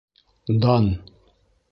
Дан!